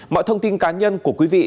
mọi thông tin cá nhân của quý vị